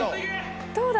どうだ？